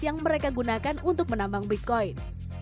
yang mereka gunakan untuk menambang bitcoin